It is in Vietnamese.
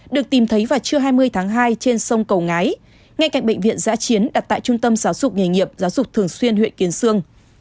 được tìm thấy vào trưa hai mươi tháng hai trên sông cầu ngái ngay cạnh bệnh viện giã chiến đặt tại trung tâm giáo dục nghề nghiệp giáo dục thường xuyên huyện kiến sương